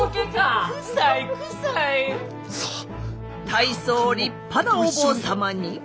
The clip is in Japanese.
大層立派なお坊様に。